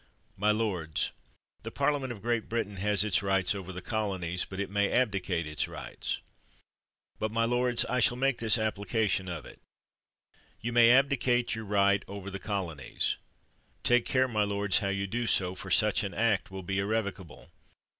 My lords, the Parliament of Great Britain has its rights over the colonies; but it may abdicate its rights. But, my lords, I shall make this application of it. You may abdicate your right over the colonies. Take care, my lords, how you do so, for such an act will be irrevocable.